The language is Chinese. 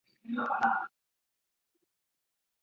披针鳞果星蕨为水龙骨科鳞果星蕨属下的一个种。